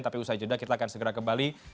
tapi usai jeda kita akan segera kembali